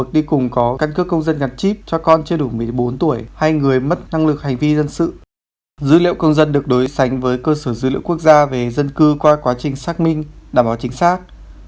dữ liệu công dân được đối sánh với cơ sở dữ liệu quốc gia về dân cư qua quá trình xác minh đảm bảo chính xác